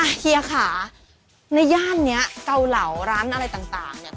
เฮียค่ะในย่านนี้เก่าเหล่าร้านอะไรต่างก็เยอะแยะไปหมด